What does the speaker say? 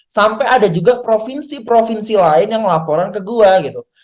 sampai ada juga provinsi provinsi lain yang laporan ke gue gitu